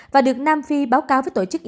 và được nam phi báo cáo với tổ chức